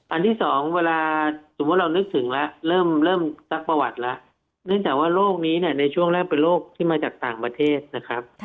ที่สองเวลาสมมุติเรานึกถึงแล้วเริ่มซักประวัติแล้วเนื่องจากว่าโรคนี้เนี่ยในช่วงแรกเป็นโรคที่มาจากต่างประเทศนะครับ